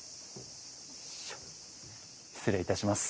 失礼いたします。